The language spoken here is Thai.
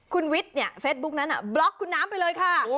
คุณวิทย์เนี่ยเฟซบุ๊กนั้นบล็อกคุณน้ำไปเลยค่ะ